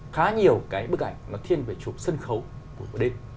khá nhiều bức ảnh nó thiên về chủ sân khấu của bữa đêm